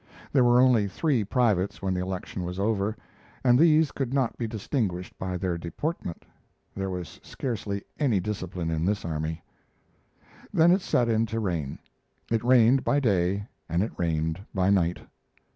There were only three privates when the election was over, and these could not be distinguished by their deportment. There was scarcely any discipline in this army. Then it set in to rain. It rained by day and it rained by night.